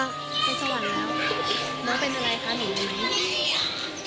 ไปสวรรค์แล้ว